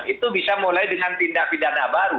itu bisa mulai dengan tindak pidana baru